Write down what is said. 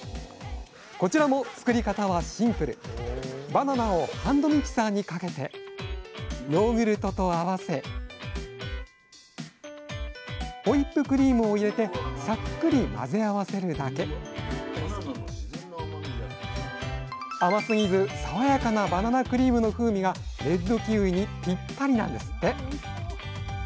バナナをハンドミキサーにかけてヨーグルトと合わせホイップクリームを入れてさっくり混ぜ合わせるだけ甘すぎず爽やかなバナナクリームの風味がレッドキウイにぴったりなんですって。